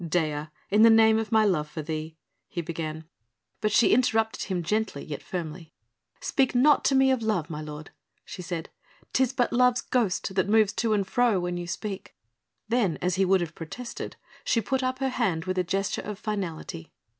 "Dea ... in the name of my love for thee ..." he began. But she interrupted him gently, yet firmly. "Speak not to me of love, my lord," she said. "'Tis but love's ghost that moves to and fro when you speak." Then as he would have protested, she put up her hand with a gesture of finality.